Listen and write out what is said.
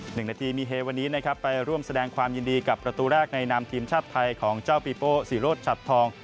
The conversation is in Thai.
หนึ่งนาทีมีเฮวันนี้นะครับไปร่วมแสดงความยินดีกับประตูแรกในนามทีมชาติไทยของเจ้าปีโป้ศรีโรธชัดทอง